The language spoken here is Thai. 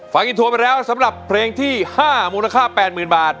ฟังอินโทรไปแล้วสำหรับเพลงที่๕มูลค่า๘๐๐๐บาท